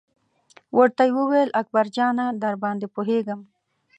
ورته یې وویل: اکبر جانه درباندې پوهېږم.